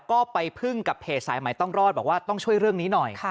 ก็ไปพึ่งกับเพจสายใหม่ต้องรอดบอกว่าต้องช่วยเรื่องนี้หน่อย